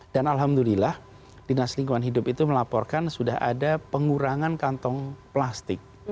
dan alhamdulillah dinas lingkungan hidup itu melaporkan sudah ada pengurangan kantong plastik